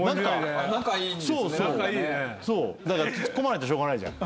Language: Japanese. だからツッコまないとしょうがないじゃん。